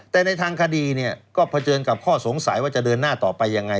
แต่ในทางคดีเนี่ยก็เผชิญกับข้อสงสัยว่าจะเดินหน้าต่อไปยังไง